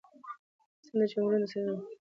افغانستان د چنګلونه د ساتنې لپاره قوانین لري.